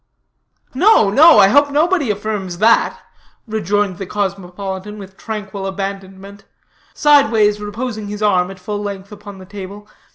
"No, no I hope nobody affirms that," rejoined the cosmopolitan, with tranquil abandonment; sideways reposing his arm at full length upon the table.